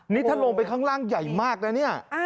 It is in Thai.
นี่ถ้าลงไปข้างล่างใหญ่มากนะเนี่ย